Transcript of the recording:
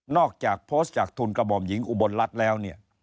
นอกจากโพสต์จากทุนกระบอมหญิงอุบลรัฐแล้ว